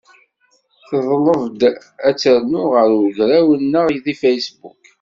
Teḍleb-d ad tt-nernu ɣer ugraw-nneɣ deg Facebook.